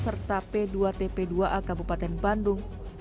serta p dua tp dua a kabupaten bandung